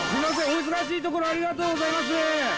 お忙しいところありがとうございます。